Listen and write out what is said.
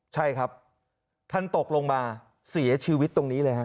ใช่ครับท่านตกลงมาเสียชีวิตตรงนี้เลยฮะ